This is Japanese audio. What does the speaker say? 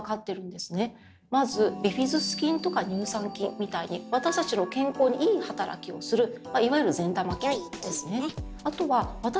まずビフィズス菌とか乳酸菌みたいに私たちの健康にいい働きをするいわゆる善玉菌ですね。